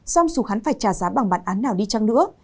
xong dù hắn phải trả giá bằng bản án nào đi chăng nữa